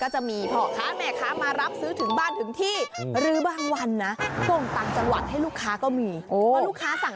ใช่แต่ว่ามันคือหอยกระพง